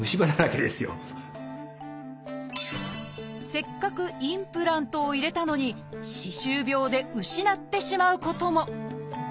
せっかくインプラントを入れたのに歯周病で失ってしまうことも。